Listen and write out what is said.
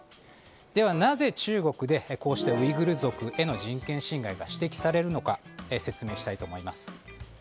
ではなぜ中国でウイグル族への人権侵害が指摘されるのか説明したいと思います。